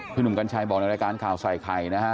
หนุ่มกัญชัยบอกในรายการข่าวใส่ไข่นะฮะ